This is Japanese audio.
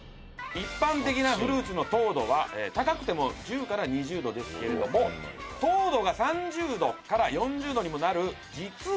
一般的なフルーツの糖度は高くても１０２０度ですけれども糖度が３０度４０度にもなる実は甘い農作物があります。